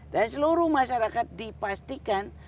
dan seluruh masyarakat dipastikan